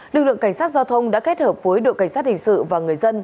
lực lượng cảnh sát giao thông đã kết hợp với đội cảnh sát hình sự và người dân